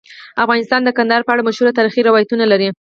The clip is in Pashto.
افغانستان د کندهار په اړه مشهور تاریخی روایتونه لري.